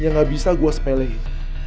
yang gak bisa gue sepele